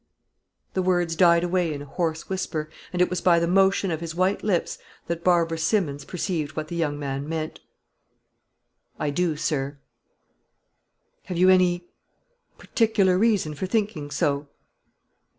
The words died away in a hoarse whisper, and it was by the motion of his white lips that Barbara Simmons perceived what the young man meant. "I do, sir." "Have you any particular reason for thinking so?"